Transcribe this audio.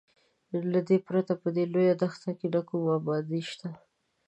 له دې پرته په دې لویه دښته کې نه کومه ابادي شته.